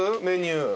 メニュー。